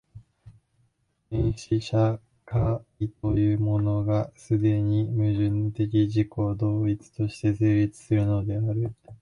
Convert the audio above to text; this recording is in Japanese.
原始社会というものが、既に矛盾的自己同一として成立するのである。